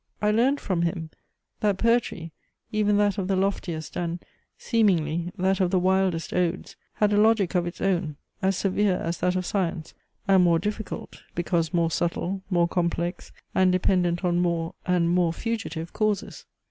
I learned from him, that poetry, even that of the loftiest and, seemingly, that of the wildest odes, had a logic of its own, as severe as that of science; and more difficult, because more subtle, more complex, and dependent on more, and more fugitive causes.